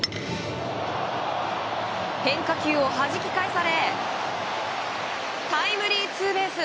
変化球をはじき返されタイムリーツーベース。